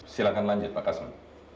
silahkan lanjut pak kasman